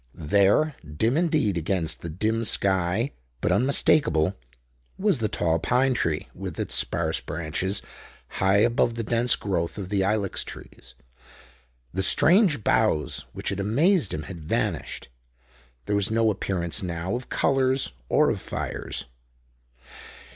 There, dim indeed against the dim sky but unmistakable, was the tall pine with its sparse branches, high above the dense growth of the ilex trees. The strange boughs which had amazed him had vanished; there was no appearance now of colors or of fires.